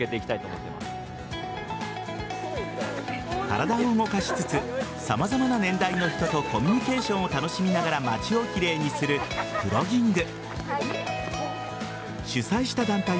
体を動かしつつ様々な年代の人とコミュニケーションを楽しみながら街を綺麗にするプロギング。